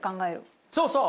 そうそう。